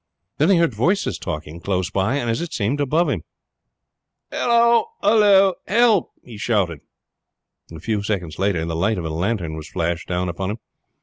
Then he heard voices talking close by and, as it seemed, above him. "Hullo!" he shouted. "Help!" A few seconds later the light of a lantern was flashed down upon him.